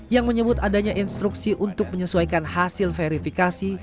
yang menyebut adanya instruksi untuk menyesuaikan hasil verifikasi